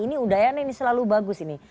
ini udayana ini selalu bagus ini